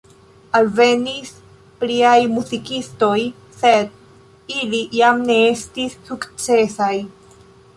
Alvenis pliaj muzikistoj, sed ili jam ne estis sukcesaj.